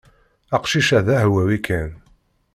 Aqcic-a d ahwawi kan.